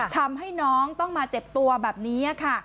ทำให้น้องต้องมาเจ็บตัวแบบนี้ค่ะ